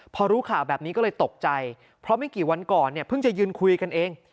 พอรู้ข่าวแบบนี้ก็เลยตกใจเพราะไม่กี่วันก่อนเนี่ยเพิ่งจะยืนคุยกันเอง